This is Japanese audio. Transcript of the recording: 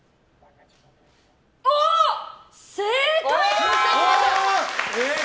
正解です！